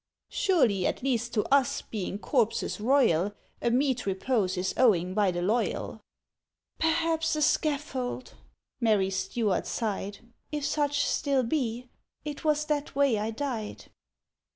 "Surely, at least to us, being corpses royal, A meet repose is owing by the loyal?" "—Perhaps a scaffold!" Mary Stuart sighed, "If such still be. It was that way I died."